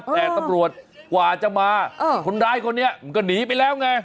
แต่ตำรวจกว่าจะมาคนร้ายคนนี้มันก็หนีไปแล้วไง